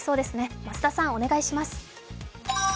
増田さんお願いします。